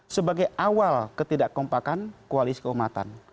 sebagai awal ketidakkompakan koalisi keumatan